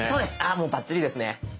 あもうバッチリですね。